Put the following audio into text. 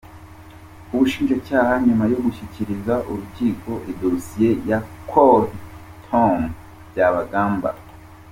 Ubushinjacyaha, nyuma yo gushyikiriza urukiko idosiye ya Col Tom Byabagamba, Rtd.